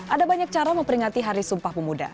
ada banyak cara memperingati hari sumpah pemuda